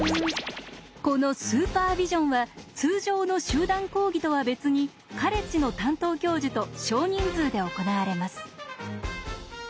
このスーパービジョンは通常の集団講義とは別にカレッジの担当教授と少人数で行われます。